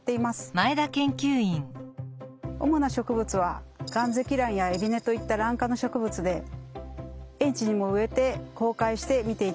主な植物はガンゼキランやエビネといったラン科の植物で園地にも植えて公開して見ていただいています。